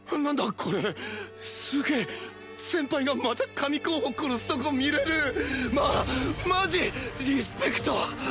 これすげえ先輩がまた神候補殺すとこ見れるママジリスペクト！